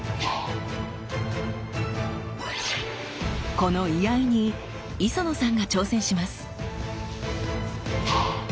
この居合に磯野さんが挑戦します！